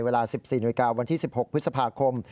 เวลา๑๔นาฬิกาวันที่๑๖พฤษภาคม